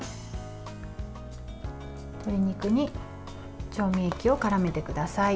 鶏肉に調味液をからめてください。